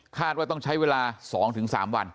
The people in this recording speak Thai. ว่าต้องใช้เวลา๒๓วัน